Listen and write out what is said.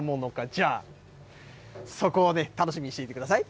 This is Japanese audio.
じゃあ、そこをね、楽しみにしていてください。